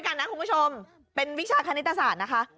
กันนะคุณผู้ชมเป็นวิชาคณิตศาสตร์นะคะ